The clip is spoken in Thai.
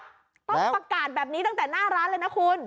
ต้องประกาศแบบนี้ตั้งแต่หน้าร้านเลยนะคุณ